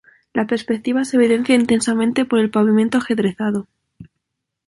La perspectiva se evidencia intensamente por el pavimento ajedrezado.